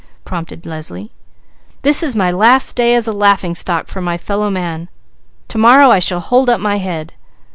prompted Leslie. "This is my last day as a laughing stock for my fellowmen! To morrow I shall hold up my head!"